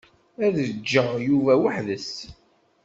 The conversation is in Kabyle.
Ad d-ǧǧeɣ Yuba weḥd-s.